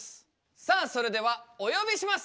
さあそれではお呼びします！